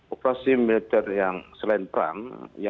operasi militer yang selain perang